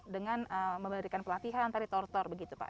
dengan memberikan pelatihan antaritor tor begitu pak